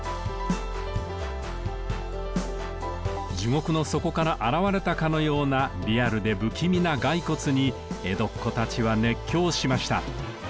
地獄の底から現れたかのようなリアルで不気味な骸骨に江戸っ子たちは熱狂しました。